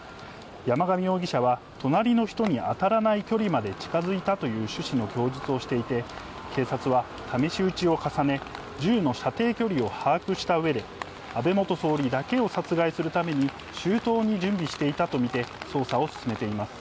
山上容疑者は、隣の人に当たらない距離まで近づいたという趣旨の供述をしていて、警察は、試し撃ちを重ね、銃の射程距離を把握したうえで、安倍元総理だけを殺害するために周到に準備していたと見て、捜査を進めています。